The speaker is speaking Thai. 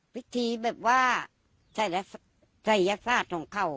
พิธีแบบว่าศัยศาสตร์ของเขา